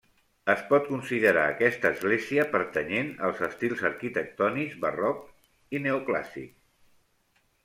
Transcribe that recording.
Es pot considerar aquesta església pertanyent als estils arquitectònics, barroc i neoclàssic.